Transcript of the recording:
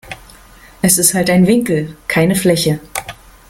Es ist halt ein Winkel, keine Fläche.